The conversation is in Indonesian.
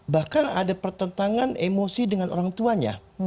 bahkan ada pertentangan emosi dengan orang tuanya